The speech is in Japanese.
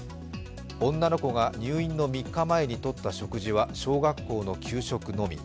女の子が入院の３日前に取った食事は小学校の給食のみ。